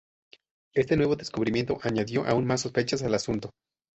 Este nuevo descubrimiento añadió aún más sospechas al asunto.